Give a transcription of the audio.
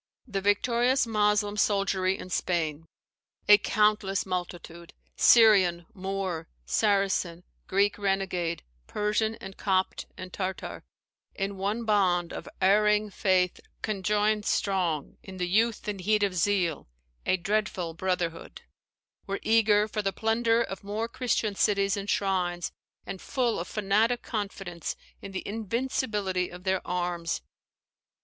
The victorious Moslem soldiery in Spain, "A countless multitude; Syrian, Moor, Saracen, Greek renegade, Persian, and Copt, and Tartar, in one bond Of erring faith conjoined strong in the youth And heat of zeal a dreadful brotherhood," were eager for the plunder of more Christian cities and shrines, and full of fanatic confidence in the invincibility of their arms.